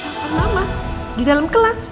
sama mama di dalam kelas